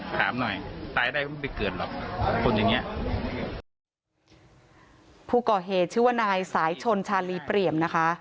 คนอย่างเนี้ยผู้ก่อเหตุชื่อว่านายสายชนชาลีเปรียมนะคะ